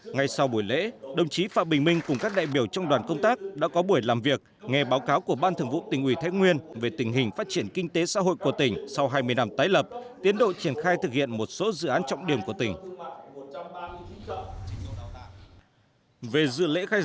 ngay sau buổi lễ đồng chí phạm bình minh cùng các đại biểu trong đoàn công tác đã có buổi làm việc nghe báo cáo của ban thường vụ tỉnh ủy thái nguyên về tình hình phát triển kinh tế xã hội của tỉnh sau hai mươi năm tái lập tiến đội triển khai thực hiện một số dự án trọng điểm của tỉnh